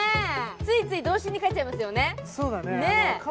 ついつい童心に返っちゃいますよね